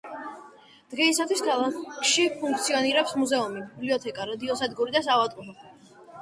დღეისათვის, ქალაქში ფუნქციონირებს მუზეუმი, ბიბლიოთეკა, რადიოსადგური და საავადმყოფო.